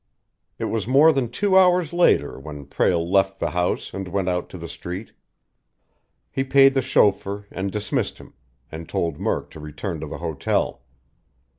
It was more than two hours later when Prale left the house and went out to the street. He paid the chauffeur and dismissed him, and told Murk to return to the hotel.